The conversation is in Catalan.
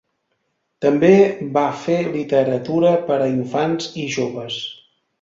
També va fer literatura per a infants i joves.